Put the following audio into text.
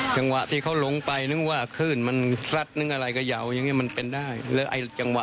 จังหวะที่เขาลงไปนึกว่าคลื่นมันซัดนึกอะไรก็เหย่าอย่างเงี้มันเป็นได้แล้วไอ้จังหวะ